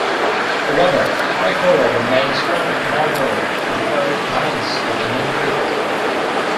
However Kaikoura remains part of Marlborough in the minds of many people.